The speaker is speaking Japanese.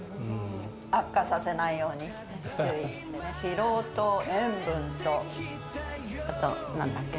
悪化させないように注意してね、疲労と塩分と、あとなんだっけ？